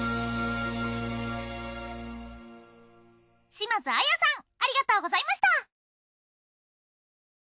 島津亜矢さんありがとうございました。